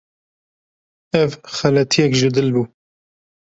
Ev xeletiyek ji dil bû.